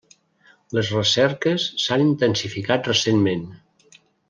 Les recerques s'han intensificat recentment.